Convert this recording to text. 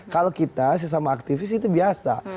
kalau kita sesama aktivis itu biasa